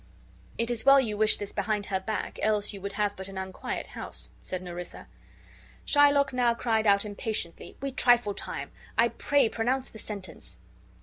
"It is well you wish this behind her back, else you would have but an unquiet house," said Nerissa. Shylock now cried out, impatiently: "We trifle time. I pray pronounce the sentence."